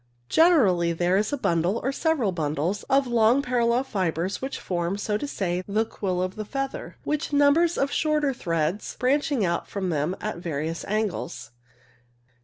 Generally there is a bundle, or several bundles, of long parallel fibres, which form, so to say, the quill of the feather, with numbers of shorter threads F 34 CIRRUS branching out from them at various angles.